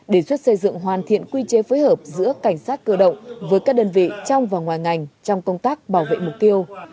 đề xuất xây dựng hoàn thiện quy chế phối hợp giữa cảnh sát cơ động với các đơn vị trong và ngoài ngành trong công tác bảo vệ mục tiêu